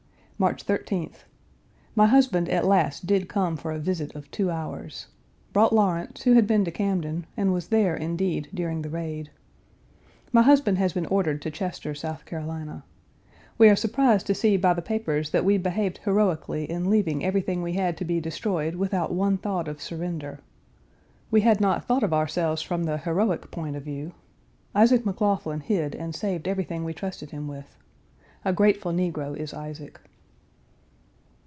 March 13th. My husband at last did come for a visit of two hours. Brought Lawrence, who had been to Camden, and was there, indeed, during the raid. My husband has been ordered to Chester, S. C. We are surprised to see by the papers that we behaved heroically in leaving everything we had to be destroyed, without one thought of surrender. We had not thought of ourselves from the heroic point of view. Isaac McLaughlin hid and saved everything we trusted him with. A grateful negro is Isaac.